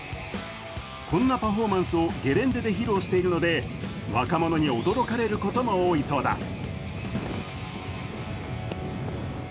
こんなパフォーマンスをゲレンデで披露しているので若者に驚かれることも多いそうだ。